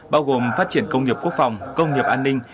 bao gồm phát triển công nghiệp quốc phòng công nghiệp an ninh